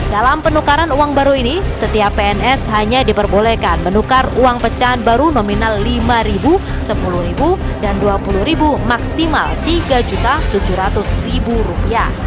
dalam penukaran uang baru ini setiap pns hanya diperbolehkan menukar uang pecahan baru nominal rp lima rp sepuluh dan rp dua puluh maksimal rp tiga tujuh ratus